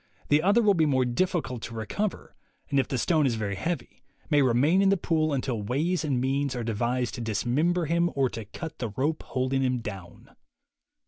The other will be more difficult to recover, and if the stone is very heavy, may remain in the pool until ways and means are devised to dismember him or to cut the rope holding him down."